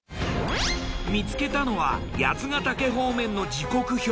見つけたのは八ヶ岳方面の時刻表。